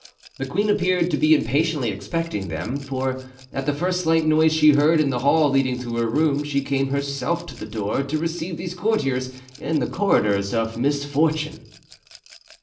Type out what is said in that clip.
The queen appeared to be impatiently expecting them, for at the first slight noise she heard in the hall leading to her room she came herself to the door to receive these courtiers in the corridors of Misfortune.